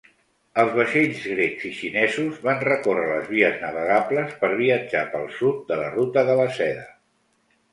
Els vaixells grecs i xinesos van recórrer les vies navegables per viatjar pel sud de la Ruta de la Seda.